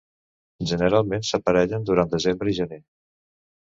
Generalment s'aparellen durant desembre i gener.